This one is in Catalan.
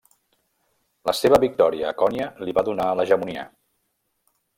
La seva victòria a Konya li va donar l'hegemonia.